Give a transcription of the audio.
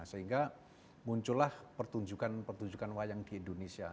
sehingga muncullah pertunjukan pertunjukan wayang di indonesia